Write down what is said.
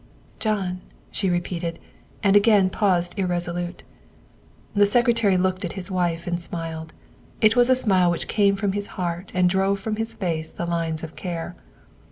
"John, " she repeated, and again paused irresolute. The Secretary looked at his wife and smiled. It was a smile which came from his heart and drove from his face the lines of care.